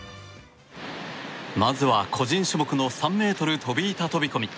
まずは個人種目の３ｍ飛板飛込。